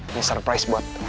ini surprise buat ia